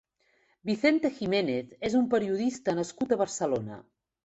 Vicente Jiménez és un periodista nascut a Barcelona.